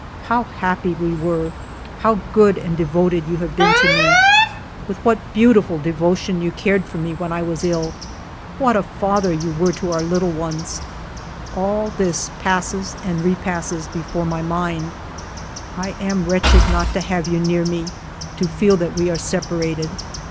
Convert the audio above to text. How happy we were ; how good and devoted you have been to me ! With what beautiful devotion you cared for me when I was ill ; what a father you were to our little ones ! All this passes and repasses before my mind ; I am wretched not to have you near me, to feel that we are separated.